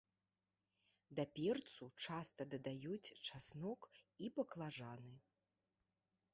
Да перцу часта дадаюць часнок і баклажаны.